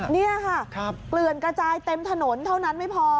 นี่ค่ะเกลือนกระจายเต็มถนนเท่านั้นไม่พอ